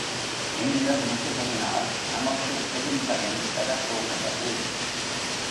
இந்த முற்றுகையினால் நமக்குப் பெரும் பயன் வரப் போகிறது.